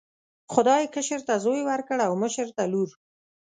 خدای کشر ته زوی ورکړ او مشر ته لور.